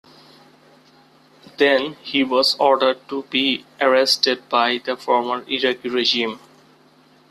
Then he was ordered to be arrested by the former Iraqi regime.